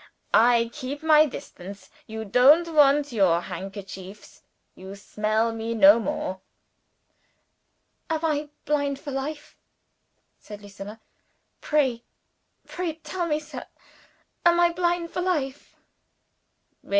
I keep my distance. You don't want your handkerchiefs you smell me no more." "Am I blind for life?" said Lucilla. "Pray, pray tell me, sir! Am I blind for life?"